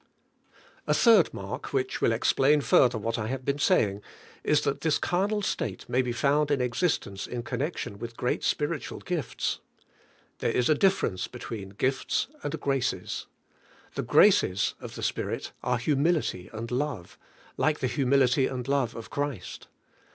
A third mark which will explain further what I have been saying, is that this carnal state may be found in existence in connection with great spiritual gifts. There is a difference between gifts and graces. The graces of the Spirit are humility and love, like the humility and love of Christ.